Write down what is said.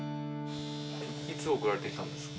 いつ送られてきたんですか？